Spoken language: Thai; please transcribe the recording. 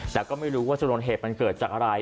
แต่ก็ไม่รู้ว่าชนวนเหตุมันเกิดจากอะไร